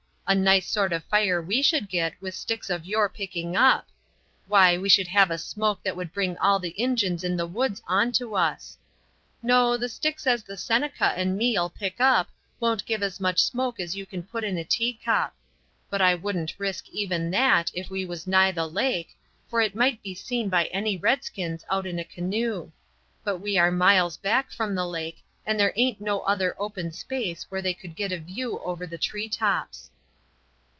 "A nice sort of fire we should get with sticks of your picking up! Why, we should have a smoke that would bring all the Injuns in the woods on to us. No, the sticks as the Seneca and me'll pick up won't give as much smoke as you can put in a teacup; but I wouldn't risk even that if we was nigh the lake, for it might be seen by any redskins out in a canoe. But we are miles back from the lake, and there aint no other open space where they could get a view over the tree tops."